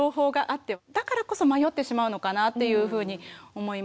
だからこそ迷ってしまうのかなっていうふうに思いますが。